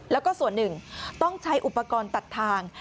แล้วก็ส่วนหนึ่งต้องใช้อุปกรณ์ตัดทาง